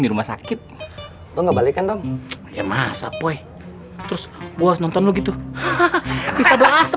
di rumah sakit lo ngebalikkan ya masa poi terus bos nonton begitu hahaha bisa berasa